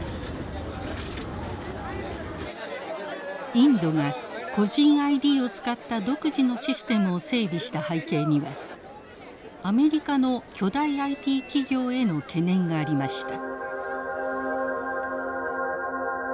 インドが個人ＩＤを使った独自のシステムを整備した背景にはアメリカの巨大ＩＴ企業への懸念がありました。